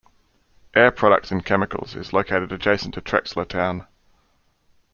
Air Products and Chemicals is located adjacent to Trexlertown.